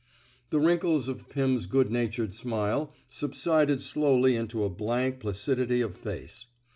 The wrinkles of Pim's good natured smile subsided slowly into a blank placidity of face.